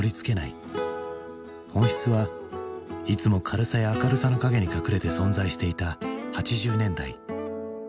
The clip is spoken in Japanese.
本質はいつも軽さや明るさの陰に隠れて存在していた８０年代。